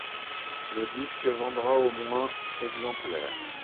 Le disque vendra au moins exemplaires.